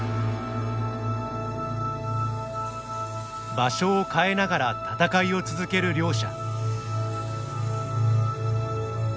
場所を変えながら闘いを続ける両者。